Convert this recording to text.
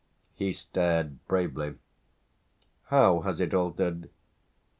He stared bravely. "How has it altered?"